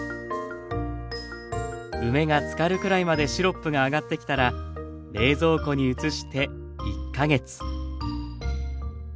梅がつかるくらいまでシロップが上がってきたら冷蔵庫に移して１か月。